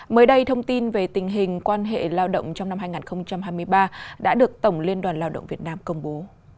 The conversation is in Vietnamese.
mới đây thông tin về tình hình quan hệ lao động trong năm hai nghìn hai mươi ba đã được tổng liên đoàn lao động việt nam công bố